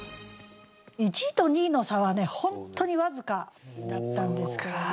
１位と２位の差は本当に僅かだったんですけれど。